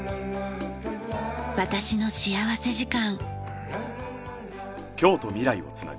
『私の幸福時間』。